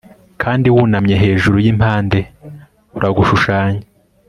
kandi, wunamye hejuru yimpande, uragushushanya